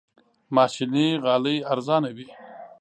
ماشيني غالۍ ارزانه وي.